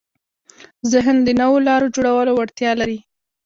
ذهن د نوو لارو جوړولو وړتیا لري.